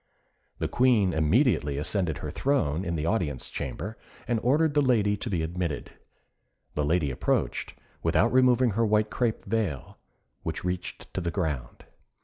The Queen immediately ascended her throne in the audience chamber, and ordered the lady to be admitted. The lady approached, without removing her white crape veil, which reached to the ground.